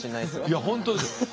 いや本当ですよ。